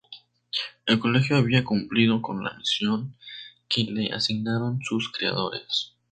El Colegio había cumplido con la misión que le asignaron sus creadores.